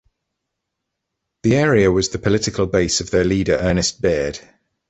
The area was the political base of their leader Ernest Baird.